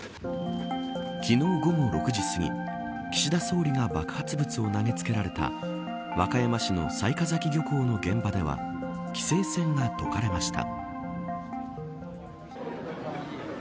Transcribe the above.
昨日午後６時すぎ岸田総理が爆発物を投げつけられた和歌山市の雑賀崎漁港の現場では規制線が解かれました。